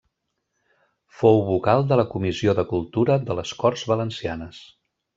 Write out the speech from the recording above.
Fou vocal de la Comissió de Cultura de les Corts Valencianes.